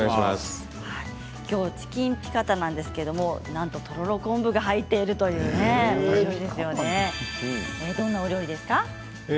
今日はチキンピカタなんですがなんと、とろろ昆布が入っているということでどんなお料理ですか。